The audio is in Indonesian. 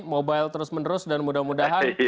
mobile terus menerus dan mudah mudahan